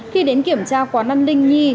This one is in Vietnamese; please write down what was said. khi đến kiểm tra quán ăn linh nhi